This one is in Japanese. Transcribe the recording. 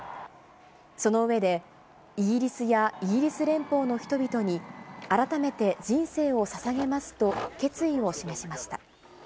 その上で、イギリスやイギリス連邦の人々に、改めて人生をささげますと決意を示しました。